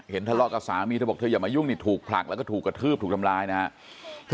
ทะเลาะกับสามีเธอบอกเธออย่ามายุ่งนี่ถูกผลักแล้วก็ถูกกระทืบถูกทำร้ายนะครับ